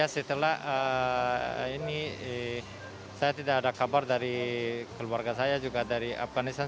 setelah ini saya tidak ada kabar dari keluarga saya juga dari afganistan